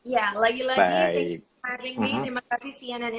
ya lagi lagi terima kasih telah menghadapi saya